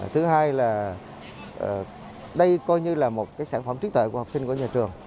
thứ hai là đây coi như là một sản phẩm trí tuệ của học sinh của nhà trường